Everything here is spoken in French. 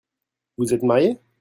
Vous êtes marié ?